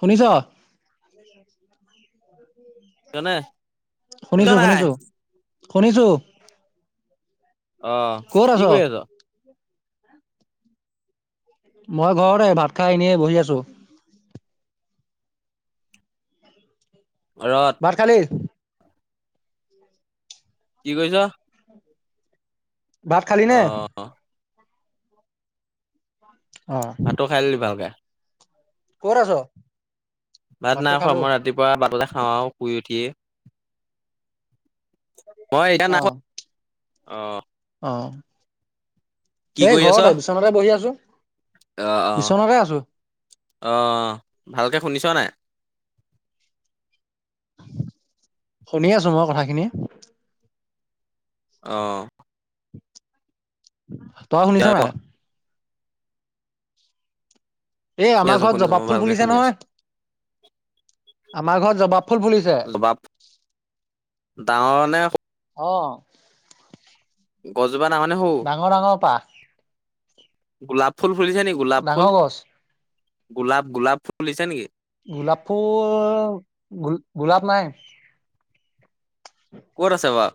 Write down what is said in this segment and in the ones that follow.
শুনিছ। শুনিছনে? শুনিছ শুনিছো নাই? শুনিছো শুনিছো আহ ক'ত আছ? কি কৰি আছো মই ঘৰতে ভাত খাই এনেই বহি আছো ঘৰত। ভাত খালি কি কৈছ ভাত খালি নে। অ' ভাতটো খাই লিলি ভালকে? কত আছ? ভাত ভাতটো নাই খোৱা খালো। মই ৰাতিপুৱা বাটতে খাওঁ আৰু শুই উঠিয়ে। মই এই ন অ অ অ কি এই কৰি আছ? ঘৰতে বিশ্বনাথতে বহি আছো অ', অ', বিশ্বনাথতে আছো অ ভালকে শুনিছ নাই শুনি আছো মই কথাখিনি আহ তই শুনিছ এতিয়া ক? নাই? এই শুনি আমাৰ আছো, ঘৰত শুনি আছো, জবাব মই ফুল ভালকে ফুলিছে শুনি আছো। নহয় আমাৰ ঘৰত জবাব ফুল ফুলিছে। জবাব ডাঙৰ নে? অ। গছজোপা ডাঙৰ নে সৰু? ডাঙৰ ডাঙৰ পাহ গোলাপ ফুল ফুলিছে নেকি গোলাপ ফুল ডাঙৰ গছ। গোলাপ গোলাপ ফুল গোলাপ নাই কত আছে বাও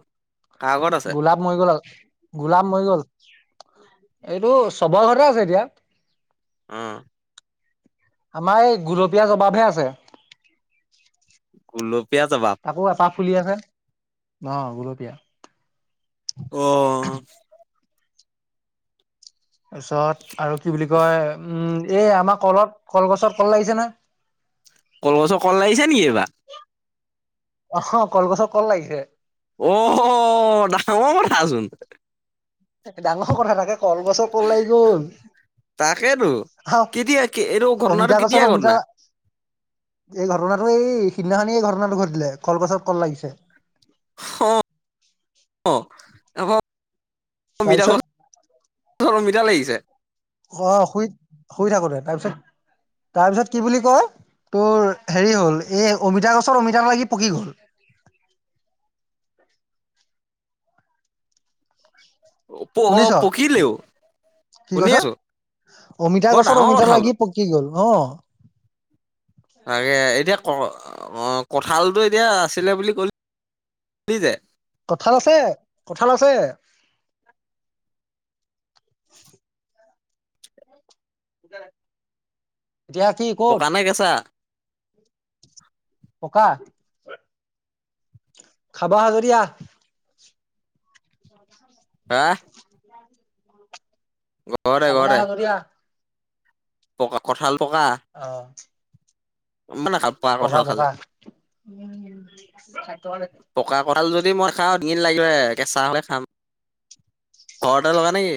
গোলাপ মৰি গ'ল গোলাপ মৰি গ'ল [inaudible] আহ। আমাৰ এই গুলপীয়া জবাবহে আছে। গলো পিয়ীয়া বাপ। তাকো এপাহ ফুলি আছে ন গুলপীয়া। অ। তাৰপিছত আৰু কি বুলি কয় উম। এ আমাৰ কলত কলগছত কল লাগিছে ন। কল বছৰ কল লাগিছে নেকি এইবাৰ। অ কলগছৰ কল লাগিছে। অ ডাঙৰ কথাচোন। ডাঙৰ কথা থাকে কলগছৰ কল লাগি গ'ল। তাকেতো। কেতিয়া কে- এইটো ঘটনাটো অমিতা কেতিয়া কছৰ অমিতা। ঘটনা এই ঘটনাটো এই সিদিনাখনানি এই ঘটনাটো ঘট দিলে কল পাছত কল লাগিছে। অ এ। অমিতাৰ তাৰপিছত গছত অমিতা লাগিছে। অ শুই শুই থাকো দে তাৰপিছত তাৰপিছত কি বুলি কয়। তোৰ হেৰি হ'ল এই অমিতা গছৰ অমিতা লাগি পকি গল। উম। প অ শুনিছ পকিলেও। কি শুনি কৈছ আছো অমিতা বৰ গছত ডাঙৰ অমিতা কথা বোলো লাগি পকি গল অ। তাকে এতিয়া ক অ কঁঠালটো এতিয়া আছিলে বুলি কল যে- কঠাল আছে কঠাল আছে। [unintelligible] গ পকা নে কেছা? ককা খাব অহা যদি আহ - হা। ঘৰতে খবলে ঘৰতে আহ যদি আহ - পকা কঠাল অঁ। মানে কাল পোৱা কঁঠাল খালে। পকা কঠাল যদি মই খাওঁ। তিদিন লাগিব কেঁচা হলে খাম ঘৰতে লগা নেকি।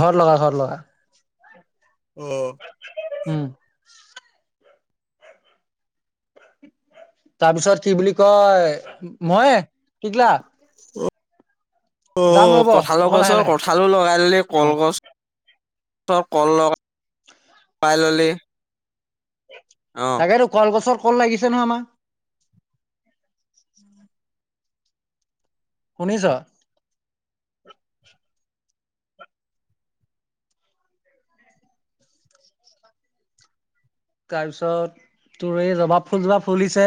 ঘৰত লগা ঘৰত লগা। অঁ। উম তাৰপিছত কি বুলি কয় ময়ে কি কলা? অ আহ কঠালৰ অকণ লাহে গছৰ লাহে কঠালো লগাই দিলে অ কলগছ- চৰ কল লগ পাই ললে। তাকে টো কলগছৰ কল লাগিছে নহয় আমাৰ। শুনিছ। তাৰপিছত তোৰ এই জবাব ফুল জবা ফুলিছে।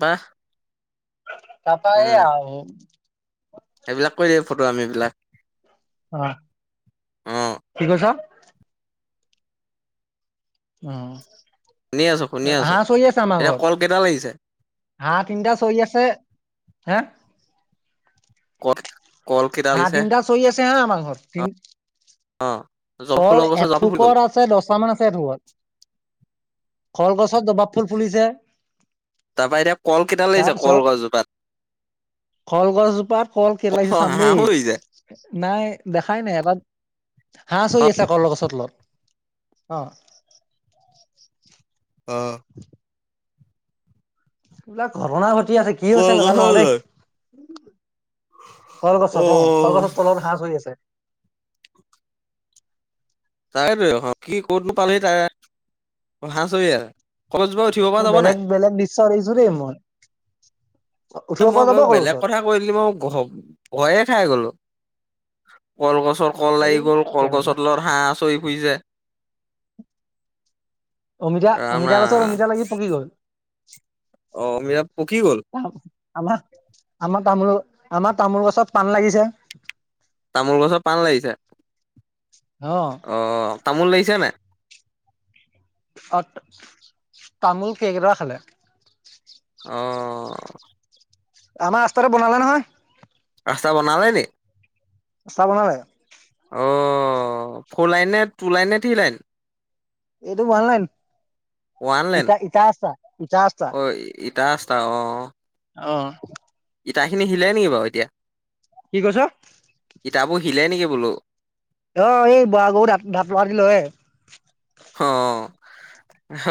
ৱাহ। তাপা এই আৰু। সেইবিলাক কৈ দিয়ে ফটো আমি এইবিলাক। অ কি কৈছ? শুনি আছো শুনি অঁ। আছো হাঁহ চৰি আছে আমাৰ এতিয়া ঘৰত কল কেইটা লাগিছে হাঁহ তিনিটা চৰি আছে। হা কৰ হা‍ঁহ তিনিটা চৰি আছে হা, আমাৰ ঘৰত। তিন অ জবা কল ফুলৰ গছত জবা ফুল গ'ল এথোকত আছে, দছটামান আছে এথোকত। কল গছ ছত জবাব ফুল ফুলিছে। তাৰপা এতিয়া কল কেইটা লাগিছে, তাৰপিছত কলগছজোপাত? কলগছজোপাত কল কেইটা অ লাগিছে চাম দেই। হাঁহো লাগিছে নাই, দেখাই নাই এটা ছৈ অ আছে কলগছৰ তলত। অ'। অ'। এইবিলাক ঘটনা ঘটি আছে। কি হৈছে নাজানো কলগছৰ আৰু দেই। লৈ কলগছত অ', কলগছৰ হা‍ঁহ চৰি আছে। তাকেতোৱে কি ক'ত নোপালোহি তাৰে- হা‍ঁহ চৰি আ মই বেলেগ - বেলেগ দৃশ্য দেখিছোঁ দেই মই। তো উঠিব পৰা মই যাব বাৰু বেলেগ কলগছত কথা কৈ দিলি। মই ভয়ে খাই গলোঁ। কলগছৰ কল লাগি এই গ'ল, কলগছৰ কেনেকুৱা তলত হাঁহ চৰি ফুৰিছে। অমিতা ৰাম - অমিতা গছত ৰাম। অমিতা লাগি পকি গ'ল অ' অমিতা পকি গ'ল? আমাৰ- আমাৰ তামোল- আমাৰ তামোল গছত পান লাগিছে। তামোল গছত পান লাগিছে? [unintelligible] অ' তামোল লাগিছে নাই? অ' তামোল কেৰ্কেটুৱা খালে। অ'। আমাৰ ৰাস্তাটো বনালে নহয়। ৰাস্তা বনালে নি? ৰাস্তা বনালে। অ' ফৰ লাইন নে টু লাইন নে থ্ৰী লাইন? এইটো ৱানলাইন। ওৱান লাইন ইটা- ইটা ৰাস্তা- ইটা ৰাস্তা। অ ইটা ৰাস্তা অ'। ইটাখিনি হিলে নেকি বাৰু এতিয়া? কি কৈছ? ইটাবোৰ হিলে নেকি বোলো। অ' এই বুঢ়াগৰু দা- দাঁত লৰাদি লৰে।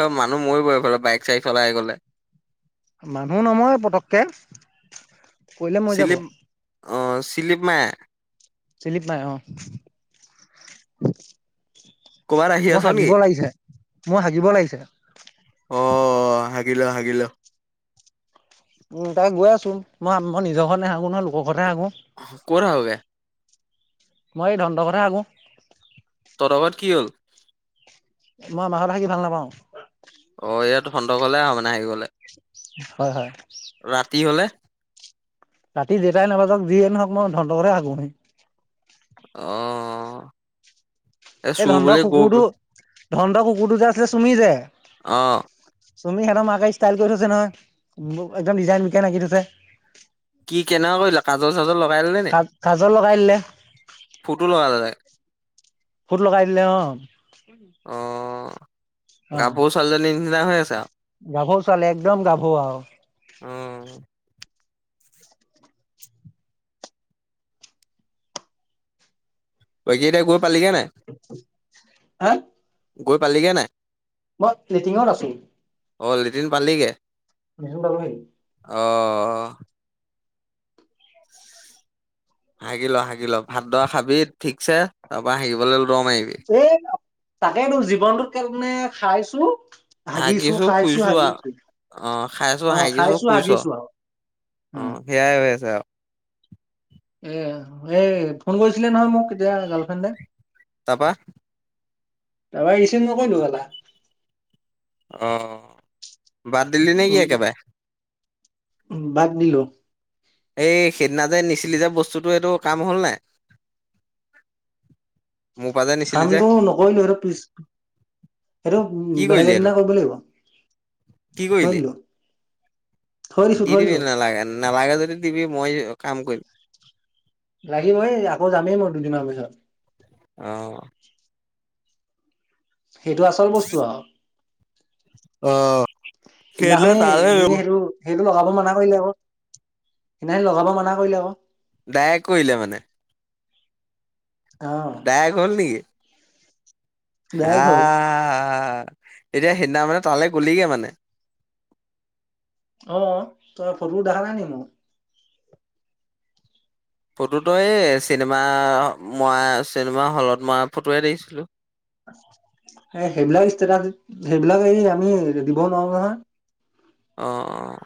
অ' মানুহ মৰিব সেইফালে বাইক-চাইক চলাই গ'লে। মানুহ নমৰে পতককে। পৰিলে মৰি যাব। চিলিপ অ' চিলিপ মাৰে? চিলিপ মাৰে অ'। ক'বাত আহি আছ নেকি? মই হাগিব লাগিছে। অ' হাগি ল - হাগি ল। উম, তা গৈ আছোঁ। মই- মই নিজৰ ঘৰত নাহাগো নহয়। লোকৰ ঘৰতহে হাগো ক'ত হাগগে? মই এই ধনতৰ ঘৰত হে হাগো? তহঁতৰ ঘৰত কি হ'ল? মই আমাৰ ঘৰত হাগি ভাল নাপাওঁ। ধনতৰ ঘৰলে আহ' মানে হাগিবলে। হয় - হয়। হলে ৰাতি যেটাই নবাজক, যিয়ে নহওঁক, মই ধনহঁতৰ ঘৰতে হাগোহি। অ'। এ এই চুৰ ধনহঁতৰ বুলি গৈ কুকুৰটো- ধনহঁতৰ কুকুৰটো যে আছিলে চুমি যে অ'। চুমি হেতৰ মাকে ষ্টাইল কৰি থৈছে নহয়, একদম ডিজাইন বিকাইন আঁকি থৈছে। কি কেনেকুৱা কৰিলে কাজল চাজল লগ। কাজল লগাই দিলে। ফুটো লগালে তাই? ফুট লগ গাই দিলে অ। অঁ, অ গাভৰু ছোৱালীজনীৰ নিচিনা হৈ আছে আও। গাভৰু ছোৱালী একদম গাভৰু আৰু উম। বাকি এতিয়া কত। হে। গৈ পালিগে নাই। মই লেটিঙত আছো। অ লেটিন পালিগে। লেটিন পালোহি। অঁ। হাগি ল হাগি ল ভাতদৰা খাবি ঠিকছে তাৰপা হাগিবলৈ ল-। মাইবি। এ তাকেইতো জীৱনটোকেলকেনে খাইছো। হাগিছো খাইছো শুইছো আও হাগিছো অ খাইছো অ হাগিছো খাইছো শুইছো আও। হাগিছো আৰু অ উম সেইয়াই হৈ আছে আৰু। এ এই ফোন কৰিছিলে নহয় মোক এতিয়া গাৰ্লফ্ৰেণ্ডে। তাপা। তাৰপা ৰিচিভ নকৰিলো কেলা। অ বাদ দিলি নে কি একেবাৰে। বাদ দিলো। এই সেইদিনা যে নিচিলি যে। বস্তুটো এইটো কাম হ'ল নাই। মোৰ পৰা যে নিছিলি যে কামটো নকৰিলো সেটো পিছ। সেইটো কি কৰিলি বেলেগ এইটো এদিনা কৰিব লাগিব। কি থৈ কৰিলি। দিলো থৈ দিছো দি থৈ দিবি দিছো নালাগে নালাগে যদি দিবি মই কাম কৰিম। লাগিব হে আকৌ যামেই মই দুদিনমান পিছত। অহ। সেইটো আচল বস্তু আৰু। অঁ। সিদিনাখনি তুমি সেইটো, সেইটো লগাব মান কৰিলে ক সেইদিনাখিনি লগাব মানা কৰিলে আক। দায়েক কৰিলে মানে। অ দায়াগ হ'ল নেকি। আ ডাইৰেক্ট হ'ল এতিয়া সেইদিনা মানে তালে গলিগে মানে। অ তই ফটো দেখা নাই নি মোক। ফটোটো এই চিনেমা মই চিনেমা হলত মই ফটোৱে দেখিছিলোঁ। এ সেইবিলাক ষ্টেটাছ, সেইবিলাক এই আমি দিবও নোৱাৰো নহয়। অঁ।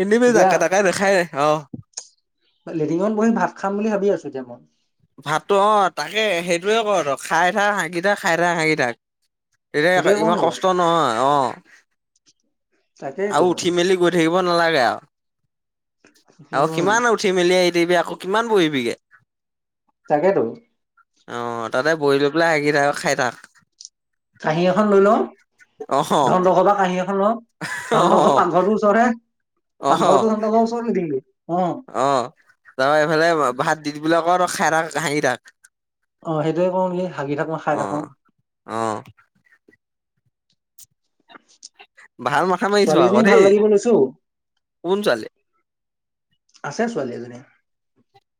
এনেবি এতিয়া জাকে তাকে দেখাই নেথাঅ। লেটিঙত বহি ভাত খাম বুলি ভাবি আছো এতিয়া মই। ভাতটো অ তাকে! সেইটোৱে কৰ আৰু খাই খাই হাগি থাক খাই থাক হাগি থাক। এতিয়া সেইটোৱে কওঁ ইমান নি বাৰু কষ্ট নহয় অ তাকেইতো আৰু উঠি মেলি গৈ থাকিব। নালাগে আৰু আৰু উম কিমান উঠি মেলি। দিবি আকৌ কিমান বহিবিগে তাকেতো অ তাতে বহি লৈ পেলাই হাগি- খাই তাক। কাঁহী এখন লৈ লওঁ। অহ ধন্দ ঘৰ পৰা কাঁহী এখন লও। ধন্দ অহ ঘৰ পাকঘৰটোৰ ওচৰতহে। পাকঘৰটো সিহঁতৰ ঘৰ ওচৰ লেটিনটো অ তাপা এইফালে ভাত দি দিবিলে অ তই খাই থাক হাগি থাক। অ সেইটোয়ে কৰো নেকি হাগি থাকো খাই অ থাকো। অ ভাল মাথা মাৰিছ আকৌ ছোৱালীজনী ভাল দেই লাগিব লৈছো। কোন ছোৱালী আছে ছোৱালী এজনী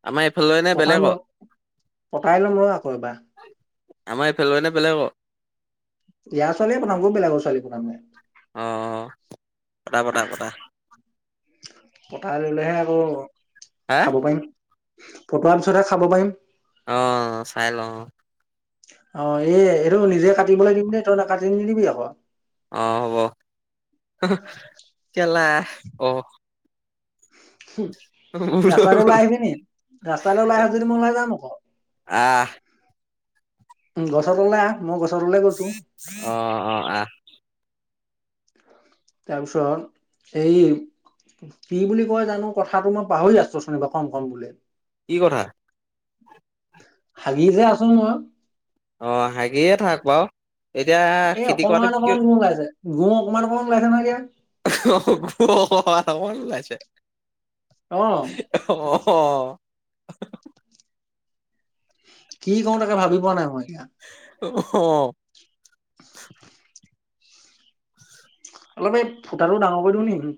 আমাৰ এইফালৰে নে পতাম ৰ বেলেগৰ পতাই লম ৰ আকৌ এবাৰ। আমাৰ এইফালে নে বেলেগৰ ইয়াৰ ছোৱালীয়ে পতাম ক বেলেগৰ ছোৱালী পতামনো। অ পতা পতা পতা পতাই ললেহে আকৌ হা খাব পাৰিম পটোৱাৰ পিছতহে খাব পাৰিম। অ চাই লওঁ অ অ এই এইটো নিজে কাটিবলৈ দিম নে তই নাকাটি নিদিবি আক অহ হব কেলা অহ। হৈ ৰাস্তালৈ গল ওলাই আহিবি নি? ৰাস্তালৈ ওলাই আহ' যদি মই ওলাই যাম আক। আহ। উম গছৰ তললে আহ। মই গছৰ তললৈ গৈছো অহ অহ আহ। তাৰপিছত এই কি বুলি কয় জানো কথাটো মই পাহৰি আছো অথনিৰ পৰা কম কম বুলি। কি কথা? হাগি যে আছো মই অ হাগিয়ে থাক বাও। এ অকমান অকমান গু ওলাইছে গু অকমান অকণমান ওলাইছে নহয় এতিয়া। অ গু অকমান অকমান ওলাইছে। অ অ। কি কৰো তাকে ভাবি পোৱা নাই মই। এতিয়া অ। [inaudible] অলপ এই ফুটাটো ডাঙৰ কৰি দিওঁ নি?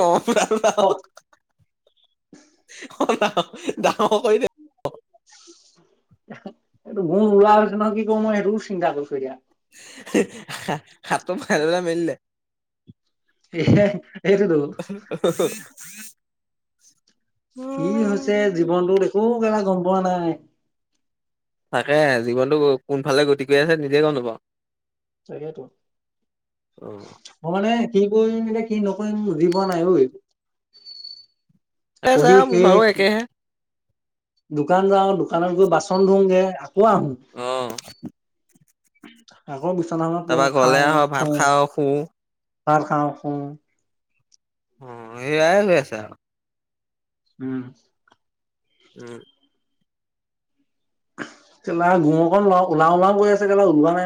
অ ভাল ভাল। হওক, ডাঙৰ কৰি দে। এইটো গু নোলোৱা হৈছে নহয় কি কৰো মই সেইটোও চিন্তা কৰিছো এতিয়া। [unintelligible] এ সেইটোতো। [inaudible] কি হৈছে জীৱনটোত একো কেলা গম পোৱা নাই। তাকে জীৱনটো কোনফালে গতি কৰি আছে নিজে গম নাপাওঁ। তাকেইটো অ', মই মানে কি কৰিম এতিয়া কি নকৰিম বুজি পোৱা নাই ঐ। আছে পঢ়ি আৰু মোৰ ভাগৰো শেষ। একেহে। দোকান যাওঁ। দোকানত গৈ বাচন ধুওগে। অহ। আকৌ বিচনাখনত পৰো ঘৰলে খাওঁ আহ, ভাত শুউ। খাওঁ, শু। ভাত খাওঁ, শুউ। অ এ আই হৈ আছা। উম। উম। কেলা গু অকন ওলাও ওলাও কৰি আছে কেলা ওলোৱা নাই।